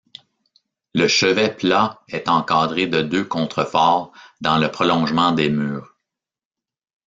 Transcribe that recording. Le chevet plat est encadré de deux contreforts dans le prolongement des murs.